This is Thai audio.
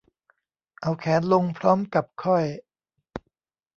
เอาแขนลงพร้อมกับค่อย